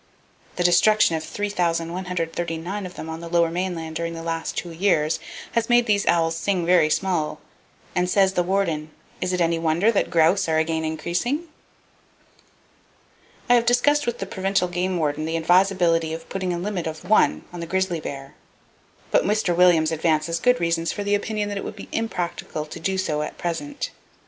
The destruction of 3,139 of them on the Lower Mainland during the last two years has made these owls sing very small, and says the warden, "Is it any wonder that grouse are again increasing?" I have discussed with the Provincial Game Warden the advisability of putting a limit of one on the grizzly bear, but Mr. Williams advances good reasons for the opinion that it would be impracticable to do so at present.